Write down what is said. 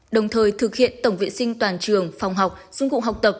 đồng thời thực hiện tổng vệ sinh toàn trường phòng học dụng cụ học tập